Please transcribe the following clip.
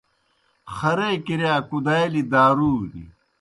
خرے کِرِیا کُدالیْ دارُونیْ